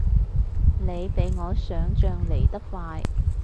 你比我想像嚟得快